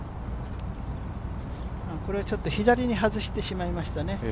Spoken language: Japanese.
これは左に外してしまいましたね。